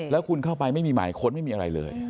แล้วคุณเข้าไปไม่มีหมายค้นไม่มีอะไรเลย